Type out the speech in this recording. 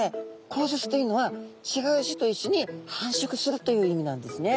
交雑というのはちがう種といっしょに繁殖するという意味なんですね。